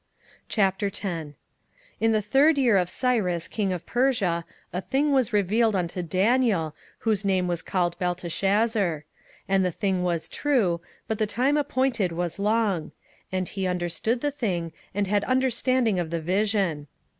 27:010:001 In the third year of Cyrus king of Persia a thing was revealed unto Daniel, whose name was called Belteshazzar; and the thing was true, but the time appointed was long: and he understood the thing, and had understanding of the vision.